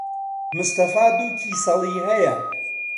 مستەفا دوو کیسەڵی ھەیە.